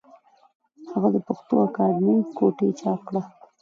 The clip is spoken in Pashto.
هغه پښتو اکادمي کوټې چاپ کړه